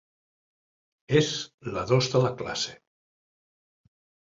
És la dos de la classe.